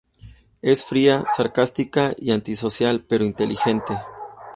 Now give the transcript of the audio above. Es fría, sarcástica y antisocial, pero inteligente.